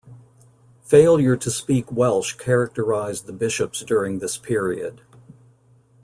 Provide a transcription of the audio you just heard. Failure to speak Welsh characterised the bishops during this period.